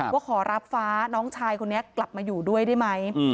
ว่าขอรับฟ้าน้องชายคนนี้กลับมาอยู่ด้วยได้ไหม